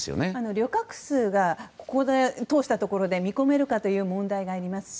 旅客数が通したところで見込めるかという問題もあるし